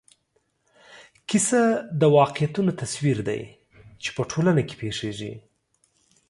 کیسه د واقعیتونو تصویر دی چې په ټولنه کې پېښېږي.